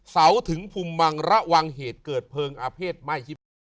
เสาร์ถึงภูมิภังระวังเหตุเกิดเพลิงอเผษไหม้